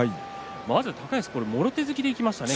まず高安はもろ手突きでいきましたね。